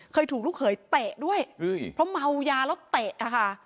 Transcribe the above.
เคยถูกลูกเขยเตะด้วยเพราะเมายาแล้วเตะอะค่ะ